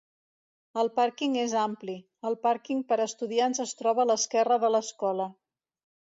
El pàrquing és ampli; el pàrquing per a estudiants es troba a l'esquerra de l'escola.